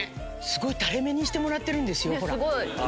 すごいタレ目にしてもらってるんですよ。